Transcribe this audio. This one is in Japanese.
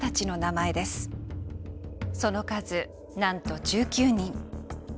その数なんと１９人。